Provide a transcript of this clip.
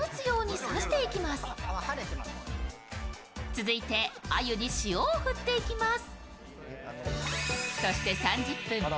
続いて鮎に塩を振っていきます。